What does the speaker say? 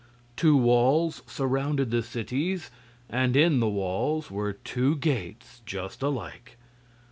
Two walls surrounded the cities, and in the walls were two gates just alike.